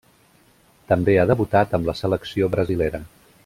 També ha debutat amb la selecció brasilera.